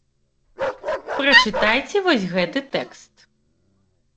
Прачытайце вось гэты тэкст.